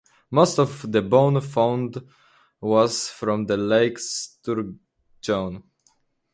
Most of the bone found was from the lake sturgeon.